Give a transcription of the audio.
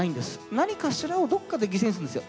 何かしらをどっかで犠牲にするんですよ。